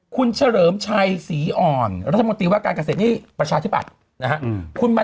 คุณเฉลิมชัยศรีอ่อนรัฐมนตรีว่าการเกษตรนี่ประชาธิบัตินะฮะ